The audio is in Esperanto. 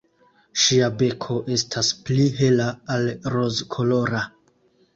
Ŝia beko estas pli hela, al rozkolora.